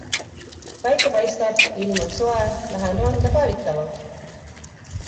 Päike paistab, ilm on soe, lähen randa päevitama.